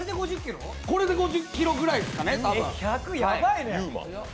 これで５０キロぐらいですかね。